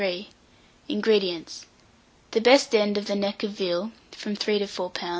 INGREDIENTS. The best end of the neck of veal (from 3 to 4 lbs.)